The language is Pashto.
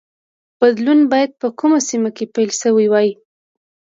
بدلون باید په کومه سیمه کې پیل شوی وای.